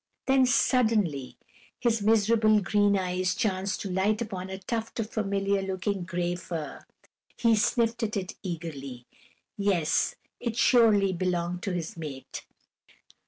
Then, suddenly, his miserable green eyes chanced to light upon a tuft of familiar looking gray fur; he sniffed at it eagerly. Yes, it surely belonged to his mate.